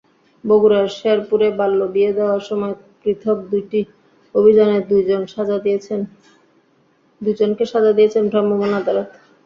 বগুড়ার শেরপুরে বাল্যবিয়ে দেওয়ার সময় পৃথক দুইটি অভিযানে দুজনকে সাজা দিয়েছেন ভ্রাম্যমাণ আদালত।